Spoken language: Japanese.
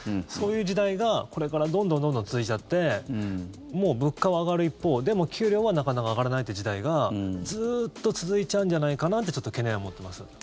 そういう時代がこれからどんどん続いちゃって物価は上がる一方、でも給料はなかなか上がらないという時代がずっと続いちゃうんじゃないかなという懸念は持ってます。